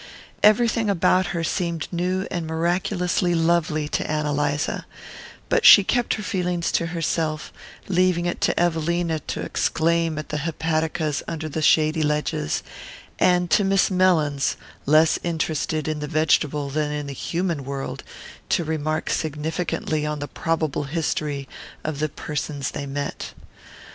Everything about her seemed new and miraculously lovely to Ann Eliza; but she kept her feelings to herself, leaving it to Evelina to exclaim at the hepaticas under the shady ledges, and to Miss Mellins, less interested in the vegetable than in the human world, to remark significantly on the probable history of the persons they met.